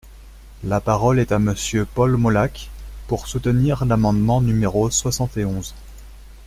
La parole est à Monsieur Paul Molac, pour soutenir l’amendement numéro soixante et onze.